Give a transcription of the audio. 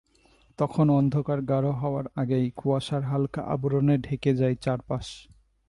তখন অন্ধকার গাঢ় হওয়ার আগেই কুয়াশার হালকা আবরণে ঢেকে যায় চারপাশ।